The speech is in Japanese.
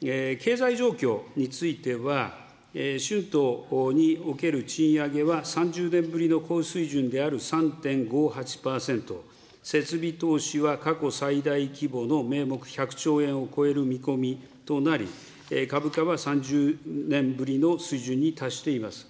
経済状況については、春闘における賃上げは３０年ぶりの高水準である３．５８％、設備投資は過去最大規模の名目１００兆円を超える見込みとなり、株価は３０年ぶりの水準に達しています。